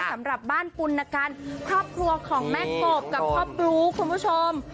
สำหรับบ้านปุณกันครอบครัวของแม่กบกับพ่อบลูคุณผู้ชม